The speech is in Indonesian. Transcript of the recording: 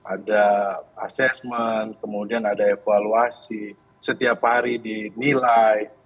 ada assessment kemudian ada evaluasi setiap hari dinilai